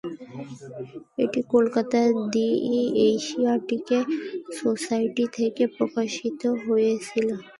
এটি কলকাতার the Asiatic Society থেকে প্রকাশিত হয়েছিল।